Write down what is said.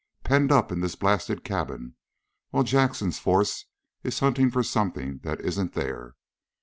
Penned up in this blasted cabin while Jackson's force is hunting for something that isn't there.